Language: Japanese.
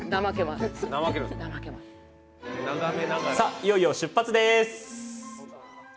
いよいよ出発です。